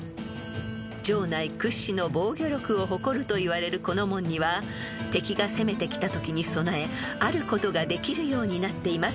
［城内屈指の防御力を誇るといわれるこの門には敵が攻めてきたときに備えあることができるようになっています］